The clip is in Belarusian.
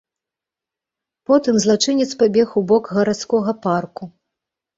Потым злачынец пабег у бок гарадскога парку.